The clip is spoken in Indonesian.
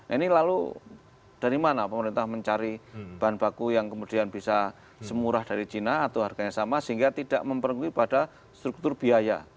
ini lalu dari mana pemerintah mencari bahan baku yang kemudian bisa semurah dari china atau harganya sama sehingga tidak memperkui pada struktur biaya